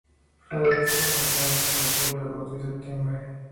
Florece los meses de julio, agosto y septiembre.